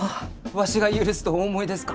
わしが許すとお思いですか？